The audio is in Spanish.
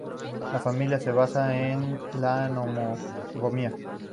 La familia se basa en la monogamia.